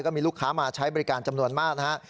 ก็มีลูกค้ามาใช้บริการจำนวนมากนะครับ